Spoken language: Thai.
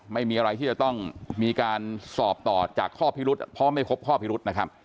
ไม่มีอะไรที่จะต้องมีการสอบต่อจากข้อพิรุษเพราะไม่พบข้อพิรุษนะครับ